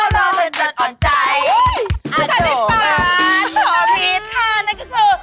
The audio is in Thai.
ส่อพีชค่ะนั่นก็คือ